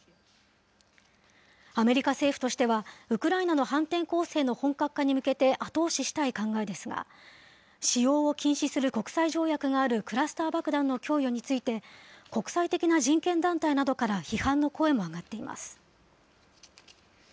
アメリカ政府としては、ウクライナの反転攻勢の本格化に向けて後押ししたい考えですが、使用を禁止する国際条約があるクラスター爆弾の供与について、国際的な人権団体などから批判の声も上がっています。